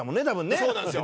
そうなんですよ。